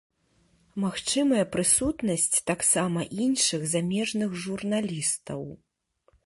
Магчымая прысутнасць таксама іншых замежных журналістаў.